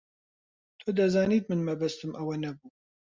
تۆ دەزانیت من مەبەستم ئەوە نەبوو.